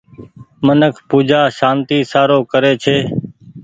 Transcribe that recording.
منک پوجآ سانتي سارو ڪري ڇي۔